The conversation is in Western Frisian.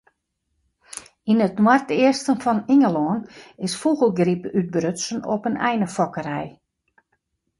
Yn it noardeasten fan Ingelân is fûgelgryp útbrutsen op in einefokkerij.